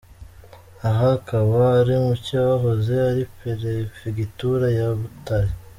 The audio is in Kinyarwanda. Aha akaba ari mu cyahoze ari Perefegitura ya Butare.